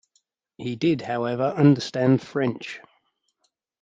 He did however understand French.